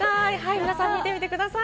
皆さん見てみてください。